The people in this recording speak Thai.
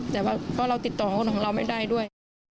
แต่ว่าติดต่อของเราไม่ได้ด้วย